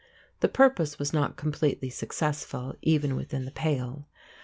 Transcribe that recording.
The purpose was not completely successful even within the Pale.